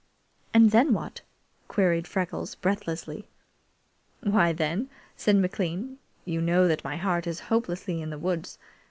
"And then what?" queried Freckles breathlessly. "Why, then," said McLean, "you know that my heart is hopelessly in the woods.